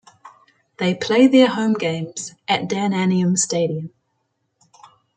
They play their home games at Dan Anyiam Stadium.